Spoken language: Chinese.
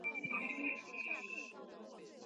船引站管辖的磐越东线上的铁路车站。